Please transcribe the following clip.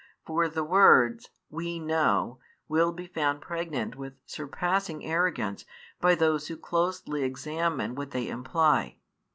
For the words, We know, will be found pregnant with surpassing arrogance by those who closely examine what they imply.